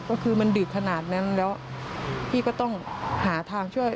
ก็คือมันดึกขนาดนั้นแล้วพี่ก็ต้องหาทางช่วย